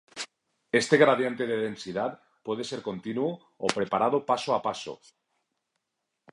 Este gradiente de densidad puede ser continuo o preparado paso a paso.